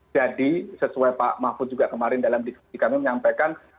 jadi sesuai pak mahfud juga kemarin dalam diskusi kami menyampaikan